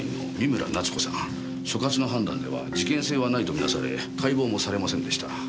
所轄の判断では事件性はないと見なされ解剖もされませんでした。